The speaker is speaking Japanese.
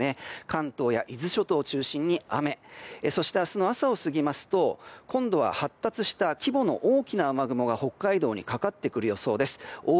関東や伊豆諸島を中心に雨そして明日の朝を過ぎますと発達した規模の大きな雨雲がかかる予報です。